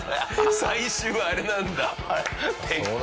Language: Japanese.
最終はあれなんだ鉄球。